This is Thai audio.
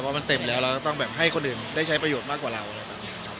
ว่ามันเต็มแล้วเราก็ต้องแบบให้คนอื่นได้ใช้ประโยชน์มากกว่าเรา